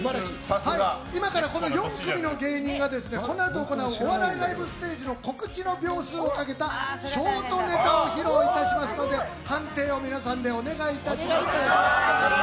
今から４組の芸人がこのあと行うお笑いライブステージの告知の秒数をかけたショートネタを披露しますので判定を皆さんでお願いいたします。